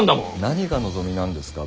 何が望みなんですか？